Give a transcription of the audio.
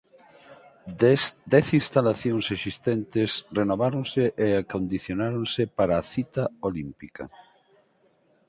Dez instalacións existentes renováronse e acondicionáronse para a cita olímpica.